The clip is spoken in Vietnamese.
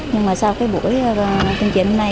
nhưng mà sau cái buổi tuyên truyền hôm nay